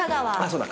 そうだ。